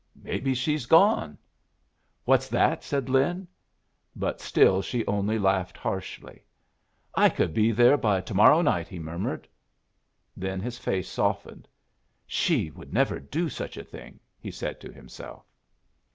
Maybe she's gone." "What's that?" said Lin. But still she only laughed harshly. "I could be there by to morrow night," he murmured. Then his face softened. "She would never do such a thing!" he said, to himself.